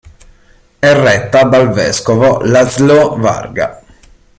È retta dal vescovo László Varga.